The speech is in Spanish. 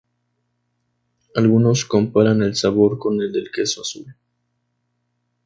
Algunos comparan el sabor con el del queso azul.